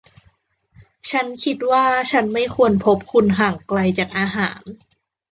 ฉันคิดว่าฉันไม่ควรพบคุณห่างไกลจากอาหาร